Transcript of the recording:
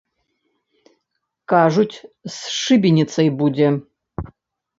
Кажуць, з шыбеніцай будзе.